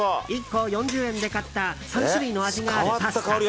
１個４０円で買った３種類の味があるパスタ。